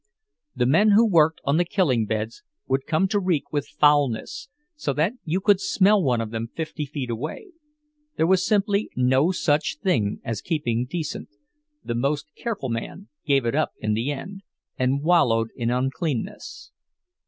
The men who worked on the killing beds would come to reek with foulness, so that you could smell one of them fifty feet away; there was simply no such thing as keeping decent, the most careful man gave it up in the end, and wallowed in uncleanness.